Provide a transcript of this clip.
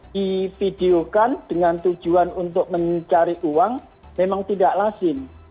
divideokan dengan tujuan untuk mencari uang memang tidak lazim